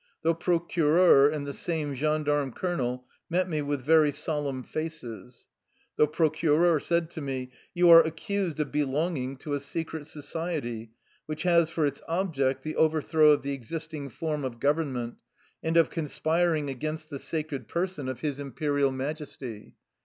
The procureur and the same gendarme colonel met me with very solemn faces. The procureur said to me :" You are accused of belonging to a secret so ciety which has for its object the overthrow of the existing form of government, and of con spiring against the sacred person of his Imperial 69 THE LIFE STORY OF A RUSSIAN EXILE Majesty.